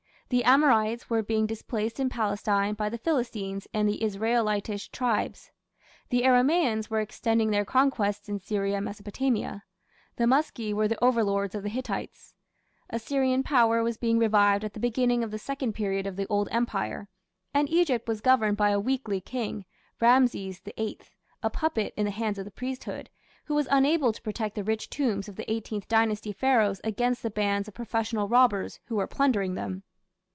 the Amorites were being displaced in Palestine by the Philistines and the Israelitish tribes; the Aramaeans were extending their conquests in Syria and Mesopotamia; the Muski were the overlords of the Hittites; Assyrian power was being revived at the beginning of the second period of the Old Empire; and Egypt was governed by a weakly king, Rameses VIII, a puppet in the hands of the priesthood, who was unable to protect the rich tombs of the Eighteenth Dynasty Pharaohs against the bands of professional robbers who were plundering them.